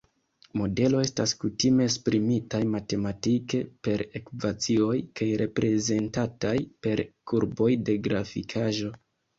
Modelo estas kutime esprimitaj matematike, per ekvacioj, kaj reprezentataj per kurboj en grafikaĵo.